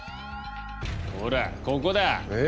ほらここだ。え？